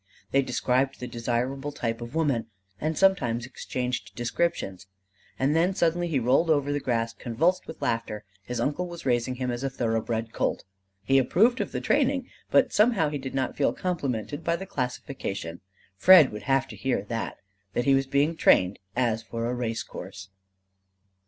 They described the desirable type of woman; and sometimes exchanged descriptions. And then suddenly he rolled over the grass convulsed with laughter: his uncle was raising him as a thoroughbred colt. He approved of the training, but somehow he did not feel complimented by the classification. Fred would have to hear that that he was being trained as for a race course.